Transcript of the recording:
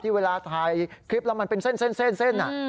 ที่เวลาถ่ายคลิปเรามันเป็นเส้นอ่ะ